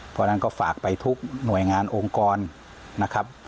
เพราะฉะนั้นก็ฝากไปทุกหน่วยงานองค์กรนะครับ